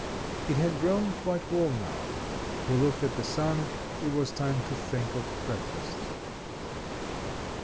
It had grown quite warm now; he looked at the sun, it was time to think of breakfast.